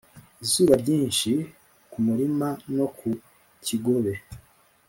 izuba ryinshi kumurima no ku kigobe,